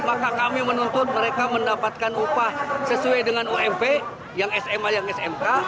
maka kami menuntut mereka mendapatkan upah sesuai dengan ump yang sma yang smk